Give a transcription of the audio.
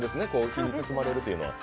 火に包まれるというのは。